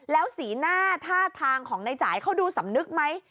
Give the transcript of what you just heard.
แล้วสีหน้าท่าทางของในจ่ายเขาดูสำนึกไหม